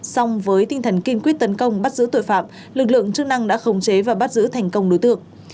xong với tinh thần kiên quyết tấn công bắt giữ tội phạm lực lượng chức năng đã khống chế và bắt giữ thành công đối tượng